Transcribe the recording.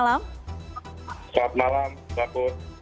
selamat malam kak kurnia